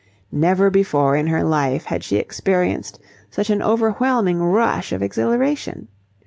Never before in her life had she experienced such an overwhelming rush of exhilaration.